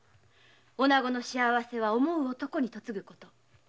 女の幸せは想う男に嫁ぐこと。